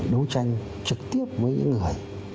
đấu tranh trực tiếp với những người